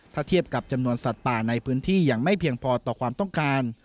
ถ้าเทียบกับจำนวนสัตว์ป่าในพื้นที่ยังไม่เพียงพอต่อความต้องการ